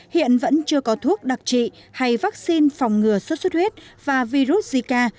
hiện vẫn chưa có thuốc đặc trị hay vaccine phòng ngừa xuất xuất huyết và virus zika